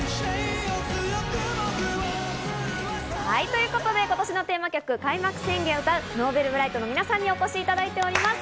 ということで、今年のテーマ曲『開幕宣言』を歌うＮｏｖｅｌｂｒｉｇｈｔの皆さんにお越しいただいております。